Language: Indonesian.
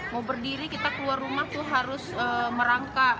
mau berdiri kita keluar rumah tuh harus merangkak